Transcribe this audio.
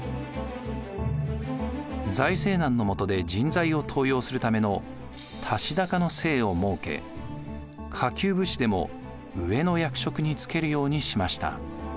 財政難のもとで人材を登用するための足高の制を設け下級武士でも上の役職に就けるようにしました。